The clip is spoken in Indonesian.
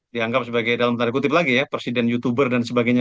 dianggap sebagai dalam tanda kutip lagi ya presiden youtuber dan sebagainya